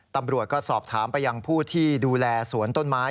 ตำรวจก็สอบถามไปยังผู้ที่ดูแลสวนต้นไม้